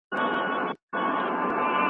نیم پاوه خوله د شپې خوشې کېږي.